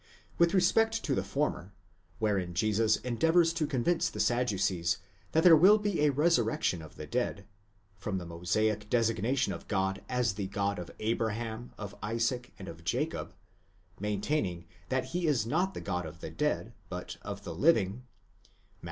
With respect to the former, wherein Jesus endeavours to convince the Sadducees that there will be a resurrection of the dead, from the Mosaic designation of God as the God of Abraham, of Isaac, and of Jacob, maintaining that he is not the God of the dead, but of the living (Matt.